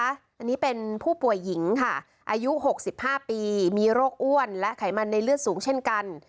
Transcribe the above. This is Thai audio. อันนี้เป็นผู้ป่วยหญิงค่ะอายุ๖๕ปีมีโรคอ้วนและไขมันในเลือดสูงเช่นกัน